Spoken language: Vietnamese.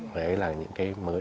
đấy là những cái mới